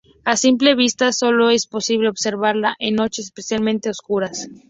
A simple vista solo es posible observarla en noches especialmente oscuras.